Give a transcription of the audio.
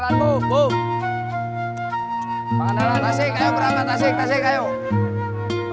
kamu kita wire dressnya promosional baru coba